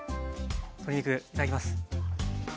鶏肉いただきます。